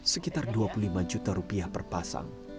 sekitar dua puluh lima juta rupiah per pasang